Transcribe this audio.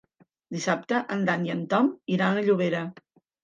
Dissabte en Dan i en Ton iran a Llobera.